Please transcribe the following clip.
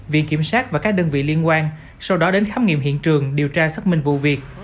viện kiểm sát và các đơn vị liên quan sau đó đến khám nghiệm hiện trường điều tra xác minh vụ việc